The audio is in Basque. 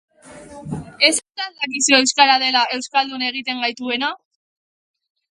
Ez al dakizu euskara dela euskaldun egiten gaituena?